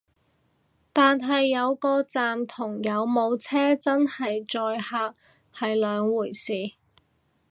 但係有個站同有冇車真係載客係兩回事